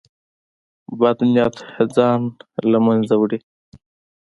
بد نیت ځان له منځه وړي.